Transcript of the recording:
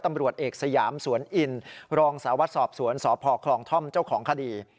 ตำรวจเอกสยามสวนอินรองสาววัดสอบสวนสพคลองท่อมเจ้าของคดี